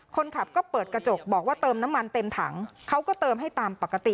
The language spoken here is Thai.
คนขับก็เปิดกระจกบอกว่าเติมน้ำมันเต็มถังเขาก็เติมให้ตามปกติ